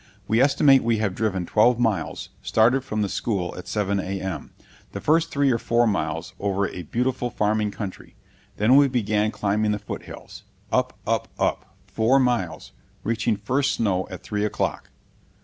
We estimate we have driven twelve miles; started from the school at 7 A.M. The first three or four miles over a beautiful farming country; then we began climbing the foothills, up, up, up, four miles, reaching first snow at three o'clock."